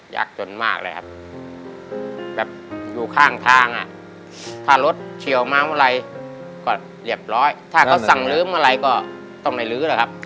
จนมากเลยครับแบบอยู่ข้างทางอ่ะถ้ารถเฉียวมาเมื่อไหร่ก็เรียบร้อยถ้าเขาสั่งลืมอะไรก็ต้องไม่ลื้อแล้วครับ